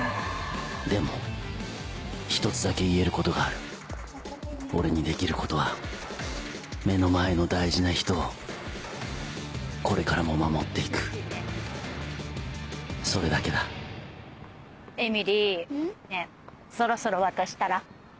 でも１つだけ言えることがある俺にできることは目の前の大事な人をこれからも守っていくそれだけだえみりねぇそろそろ渡したら？